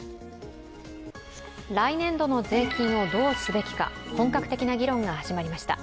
来年度の税金をどうすべきか本格的な議論が始まりました。